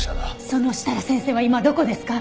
その設楽先生は今どこですか！？